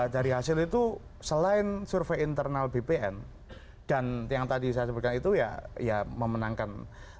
dari hasil itu selain survei internal bpn dan yang tadi saya sebutkan itu ya memenangkan